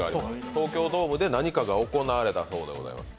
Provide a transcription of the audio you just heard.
東京ドームで何かが行われたそうです、